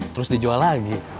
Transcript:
terus dijual lagi